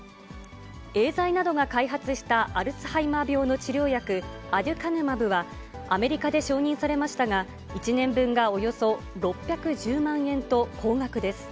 エーザイなどが開発したアルツハイマー病の治療薬、アデュカヌマブは、アメリカで承認されましたが、１年分がおよそ６１０万円と高額です。